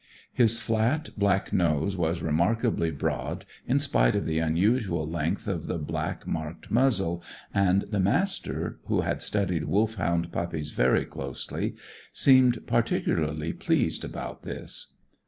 His flat, black nose was remarkably broad, in spite of the unusual length of the black marked muzzle, and the Master, who had studied Wolfhound puppies very closely, seemed particularly pleased about this.